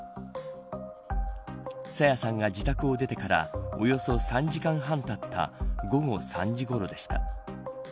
朝芽さんが自宅を出てからおよそ３時間半たった午後３時ごろでした。